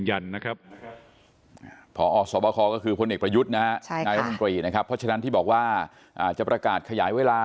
อาจจะประกาศขยายเวลา